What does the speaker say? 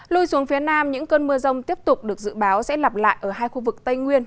lui xuống phía nam những cơn mưa rông tiếp tục được dự báo sẽ lặp lại ở hai khu vực tây nguyên